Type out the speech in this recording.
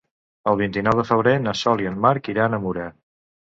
El vint-i-nou de febrer na Sol i en Marc iran a Mura.